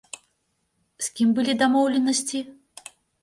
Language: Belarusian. З кім былі дамоўленасці?!